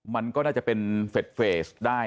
มันก็น่าจะเป็นเฟสได้